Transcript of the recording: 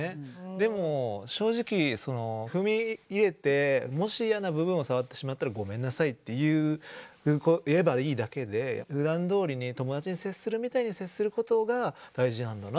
でも正直踏み入れてもし嫌な部分を触ってしまったら「ごめんなさい」って言えばいいだけでふだんどおりに友達に接するみたいに接することが大事なんだなって